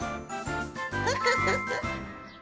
フフフフ。